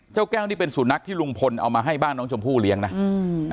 แก้วแก้วนี่เป็นสุนัขที่ลุงพลเอามาให้บ้านน้องชมพู่เลี้ยงนะอืม